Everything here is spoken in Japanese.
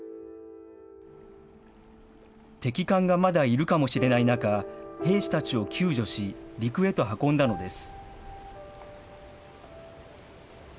敵艦がまだいるかもしれない中、兵士たちを救助し、陸へと運んだのです。